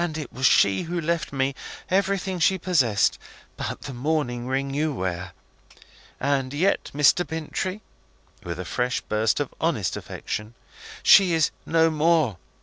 it was she who left me everything she possessed, but the mourning ring you wear. And yet, Mr. Bintrey," with a fresh burst of honest affection, "she is no more.